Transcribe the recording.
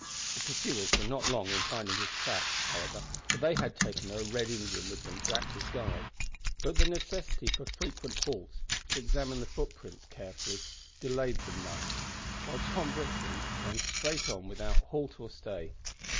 The pursuers were not long in finding his track, however, for they had taken a Red Indian with them to act as guide, but the necessity for frequent halts to examine the footprints carefully delayed them much, while Tom Brixton ran straight on without halt or stay.